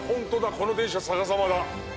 この電車、逆さまだ。